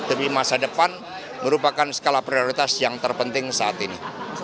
tapi masa depan merupakan skala prioritas yang terpenting saat ini